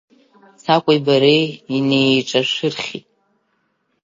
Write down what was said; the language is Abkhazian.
Цақәеи бареи инеиҿашәырхьит.